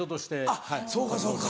あっそうかそうか。